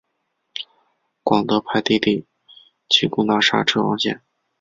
广德派弟弟仁去攻打莎车王贤。